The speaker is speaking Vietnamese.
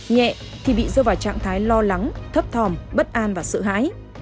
nhẹ thì bị rơ vào trạng thái lo lắng thấp thòm bất an và sự hãi